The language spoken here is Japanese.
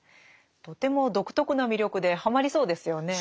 とても独特な魅力ではまりそうですよね。